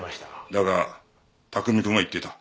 だが卓海くんは言っていた。